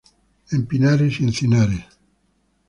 En pinares y encinares.